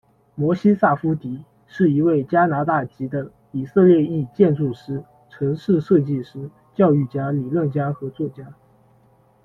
摩西·萨夫迪是一位加拿大籍的以色列裔建筑师、城市设计师、教育家、理论家和作家。